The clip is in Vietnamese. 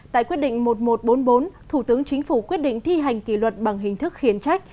tại quyết định một nghìn một trăm bốn mươi bốn thủ tướng chính phủ quyết định thi hành kỷ luật bằng hình thức khiến trách